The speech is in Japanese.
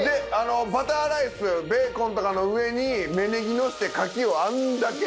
バターライスベーコンとかの上に芽ネギのせて牡蠣をあんだけ。